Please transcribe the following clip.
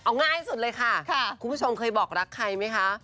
เอาง่ายสุดเลยค่ะคุณผู้ชมเคยบอกรักใครไหมคะ